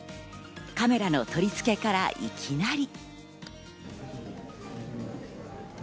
カメラの取り付けから、いきなり。